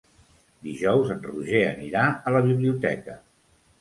Dijous en Roger anirà a la biblioteca.